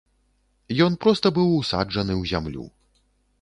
Ён проста быў усаджаны ў зямлю.